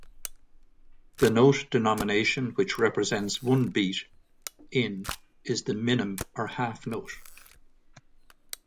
The note denomination which represents one beat in is the minim or half-note.